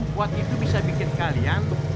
kuat itu bisa bikin kalian